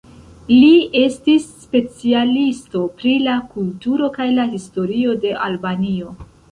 Li estis specialisto pri la kulturo kaj la historio de Albanio.